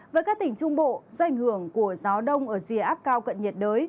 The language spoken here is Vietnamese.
với các tỉnh trung bộ do ảnh hưởng của gió đông ở rìa áp cao cận nhiệt đới